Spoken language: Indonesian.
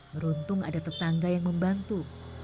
beruntung ada tetangga yang membantu